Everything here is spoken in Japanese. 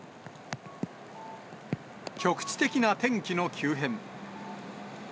局地的な天気の急変。